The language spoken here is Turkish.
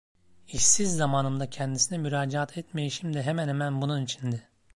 İşsiz zamanımda kendisine müracaat etmeyişim de hemen hemen bunun içindi.